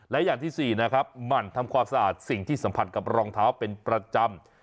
และอย่างที่๔นะครับหมั่นทำความสะอาดสิ่งที่สัมผัสกับรองเท้าเป็นประจำ